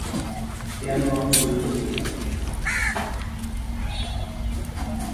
কেন আমাকে বিয়ে করতে চাও?